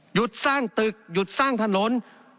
หยุดสร้างตึกหยุดสร้างถนน